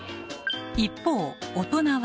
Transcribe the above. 一方大人は。